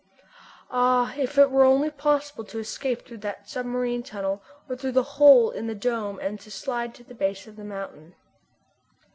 Ah! if it were only possible to escape through that submarine tunnel, or through the hole in the dome and slide to the base of the mountain!